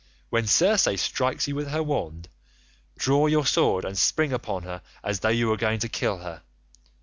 When Circe strikes you with her wand, draw your sword and spring upon her as though you were going to kill her.